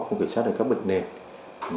không kiểm soát được các bệnh nền